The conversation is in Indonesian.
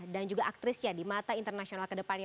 dan juga aktrisnya di mata internasional kedepannya